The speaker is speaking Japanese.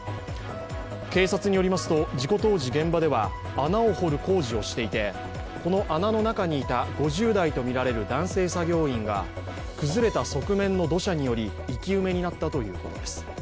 警察によりますと、事故当時、現場では穴を掘る工事をしていてこの穴の中にいた５０代とみられる男性作業員が崩れた側面の土砂により生き埋めになったということです。